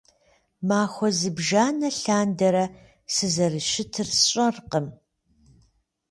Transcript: Махуэ зыбжанэ лъандэрэ, сызэрыщытыр сщӀэркъым